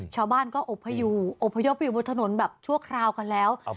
ชาวบ้านก็อบพยอบพยพไปอยู่บนถนนแบบชั่วคราวกันแล้ว